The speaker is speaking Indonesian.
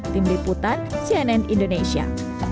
tim liputan cnn indonesia